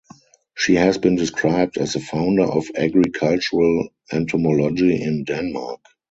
She has been described as the founder of agricultural entomology in Denmark.